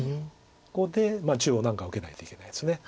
ここで中央何か受けないといけないです。